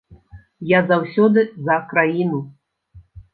Я заўсёды за краіну.